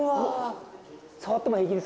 触っても平気ですか？